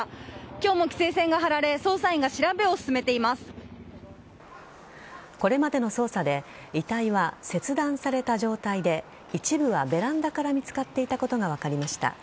今日も規制線が張られこれまでの捜査で遺体は切断された状態で一部はベランダから見つかっていたことが分かりました。